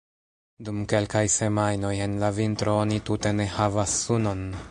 Dum kelkaj semajnoj en la vintro oni tute ne havas sunon.